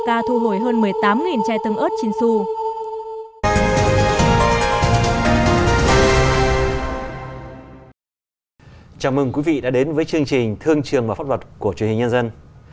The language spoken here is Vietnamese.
chào mừng quý vị đã đến với chương trình thương trường và pháp luật của truyền hình nhân dân